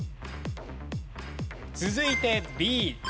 続いてＢ。